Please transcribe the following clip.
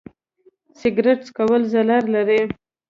سګرټ څکول ضرر لري.